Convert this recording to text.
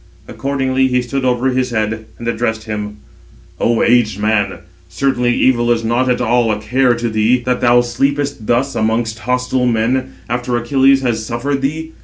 Accordingly he stood over his head, and addressed him: "O aged man, certainly evil is not at all a care to thee, that thou sleepest thus amongst hostile men, after Achilles has suffered thee.